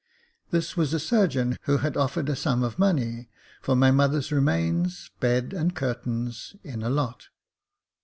This was a surgeon, who had offered a sum of money for my mother's remains, bed and curtains, in a lot.